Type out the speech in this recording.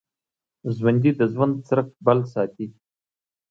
ژوندي د ژوند څرک بل ساتي